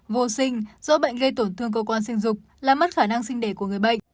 vô sinh rõ bệnh gây tổn thương cơ quan sinh dục làm mất khả năng sinh đề của người bệnh